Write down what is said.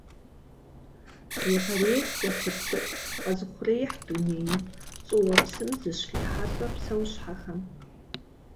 Япэрейр кӀэлъыплъырт къэзыухъуреихь дунейм, щӀыуэпсым зыщрихьэлӀэ псэущхьэхэм.